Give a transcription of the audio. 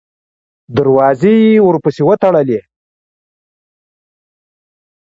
دروازې یې ورپسې وتړلې.